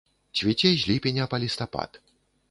Цвіце з ліпеня па лістапад.